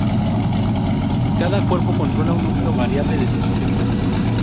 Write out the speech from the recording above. Cada cuerpo controla un número variable de divisiones.